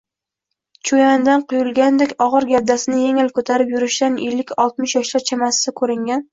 choʼyandan Quyilgandek ogʼir gavdasini yengil koʼtarib yurishidan ellik-oltmish yoshlar chamasida koʼringan